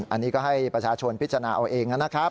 อันนี้ก็ให้ประชาชนพิจารณาเอาเองนะครับ